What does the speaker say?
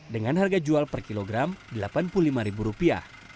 dengan harga jual per kilogram delapan puluh lima rupiah